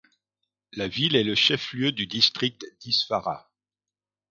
La ville est le chef-lieu du district d'Isfara.